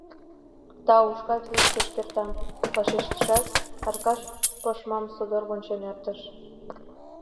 — Тау, шкат пеш кертам, — вашештышат, Аркаш пашмам содор вончен эртыш.